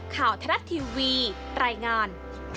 ข่าวทะละทีวีตรายงาน